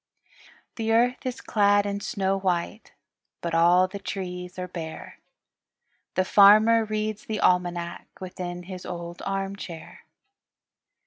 The earth is clad in snow white, But all the trees are bare. The farmer reads the almanac Within his old arm chair.